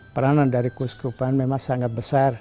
peranan dari kuskupan memang sangat besar